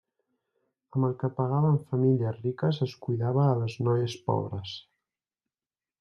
Amb el que pagaven famílies riques es cuidava a les noies pobres.